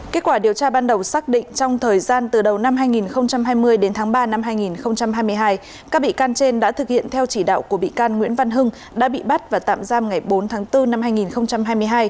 kết quả điều tra ban đầu xác định trong thời gian từ đầu năm hai nghìn hai mươi đến tháng ba năm hai nghìn hai mươi hai các bị can trên đã thực hiện theo chỉ đạo của bị can nguyễn văn hưng đã bị bắt và tạm giam ngày bốn tháng bốn năm hai nghìn hai mươi hai